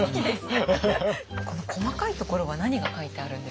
この細かいところは何が書いてあるんですか？